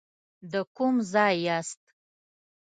د کوم ځای یاست.